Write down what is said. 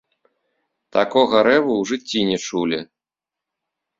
Такога рэву ў жыцці не чулі.